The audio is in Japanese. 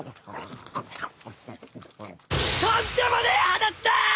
とんでもねえ話だ！！